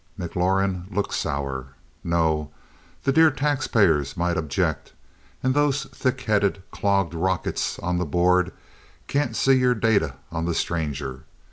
McLaurin looked sour. "No. The dear taxpayers might object, and those thickheaded, clogged rockets on the Board can't see your data on the Stranger.